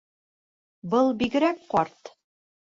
— Был бигерәк ҡарт.